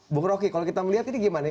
bung roky kalau kita melihat ini gimana